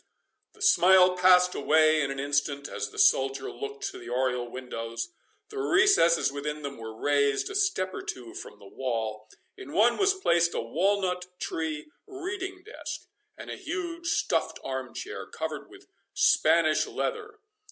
The smile passed away in an instant, as the soldier looked to the oriel windows. The recesses within them were raised a step or two from the wall. In one was placed a walnut tree reading desk, and a huge stuffed arm chair, covered with Spanish leather.